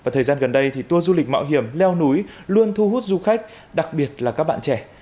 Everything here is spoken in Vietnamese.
thời gian gần đây tour du lịch mạo hiểm leo núi luôn thu hút du khách đặc biệt là các bạn trẻ